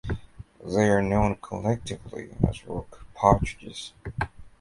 They are known collectively as rock partridges.